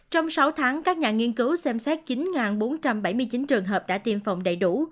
trong sáu tháng các nhà nghiên cứu xem xét chín bốn trăm bảy mươi chín trường hợp đã tiêm phòng đầy đủ